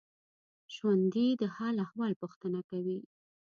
ژوندي د حال احوال پوښتنه کوي